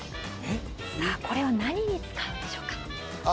さぁこれは何に使うんでしょうか？